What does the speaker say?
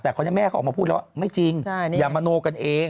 แต่คราวนี้แม่เขาออกมาพูดแล้วว่าไม่จริงอย่ามโนกันเอง